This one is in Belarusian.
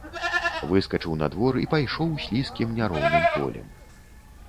Выскачыў на двор і пайшоў слізкім няроўным полем.